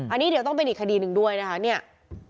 อันนี้เดี๋ยวต้องเป็นอีกคดีหนึ่งด้วยนะคะเนี่ย